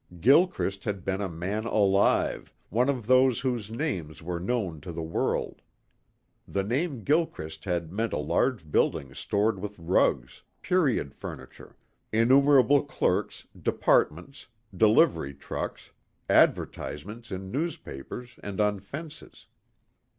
Gilchrist had been a man alive, one of those whose names were known to the world. The name Gilchrist had meant a large building stored with rugs, period furniture, innumerable clerks, departments, delivery trucks, advertisements in newspapers and on fences.